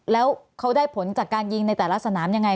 แล้วเขาได้ผลจากการยิงในแต่ละสนามยังไง